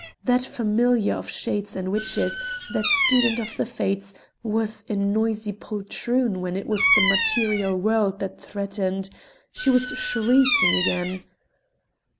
That familiar of shades and witches, that student of the fates, was a noisy poltroon when it was the material world that threatened; she was shrieking again.